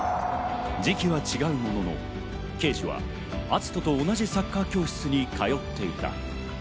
時期は違うものの圭樹は篤斗と同じサッカー教室に通っていた。